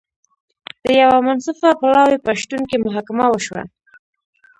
د یوه منصفه پلاوي په شتون کې محاکمه وشوه.